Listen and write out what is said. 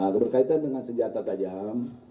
nah berkaitan dengan senjata tajam